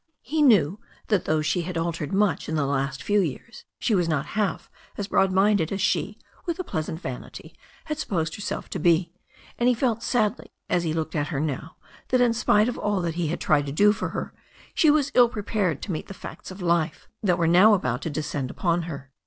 He knew that though she had altered much in the last few years she was not half as broad minded as she, with a pleasant vanity, had supposed herself to be, and he felt sadly, as he looked at her now, that in spite of all that he had tried to do for her, she was ill prepared to meet the facts of life that were now about to descend upon her.